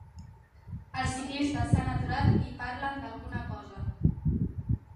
Els ciclistes s'han aturat i parlen d'alguna cosa.